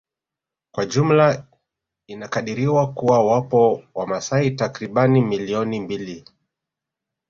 Kwa jumla inakadiriwa kuwa wapo wamasai takribani milioni mbili